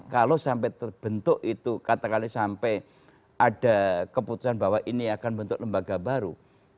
kalau sampai terbentuk itu katakanlah sampai ada keputusan bahwa ini akan membentuk lembaga baru